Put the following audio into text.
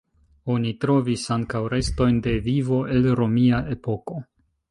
Oni trovis ankaŭ restojn de vivo el romia epoko.